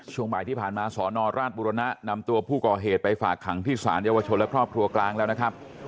ช่วงบ่ายที่ผ่านมาสนราชบุรณะนำตัวผู้ก่อเหตุไปฝากขังที่ศาลเยาวชนและครอบครัวกลางแล้วนะครับ